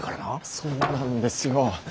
そうなんですよ。